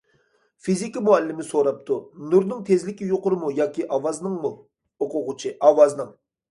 فىزىكا مۇئەللىمى سوراپتۇ: نۇرنىڭ تېزلىكى يۇقىرىمۇ ياكى ئاۋازنىڭمۇ؟ ئوقۇغۇچى: ئاۋازنىڭ.